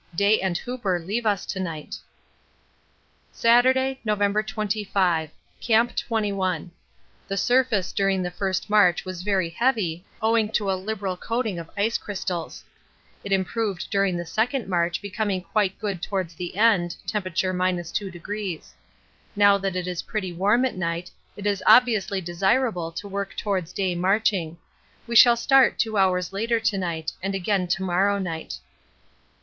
Day and Hooper leave us to night. Saturday, November 25. Camp 21. The surface during the first march was very heavy owing to a liberal coating of ice crystals; it improved during the second march becoming quite good towards the end (T. 2°). Now that it is pretty warm at night it is obviously desirable to work towards day marching. We shall start 2 hours later to night and again to morrow night.